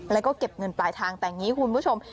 แล้วก็เก็บเงินปลายทางแต่อย่างนี้คุณผู้ชม